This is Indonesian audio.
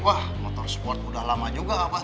wah motor sport udah lama juga abah